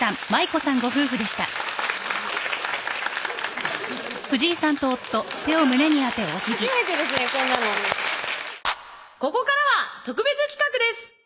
こんなのここからは特別企画です